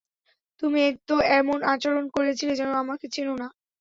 তুমি তো এমন আচরণ করছিলে যেন আমাকে চেনো না।